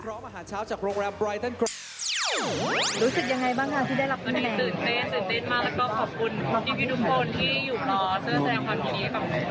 สุดเต้นมากและก็ขอบคุณคือกับทุกคนที่อยู่รอแสดงความดี